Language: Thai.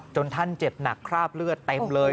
ท่านเจ็บหนักคราบเลือดเต็มเลย